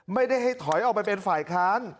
ไม่ได้ให้ถอยออกไปเป็นฝ่ายค้าน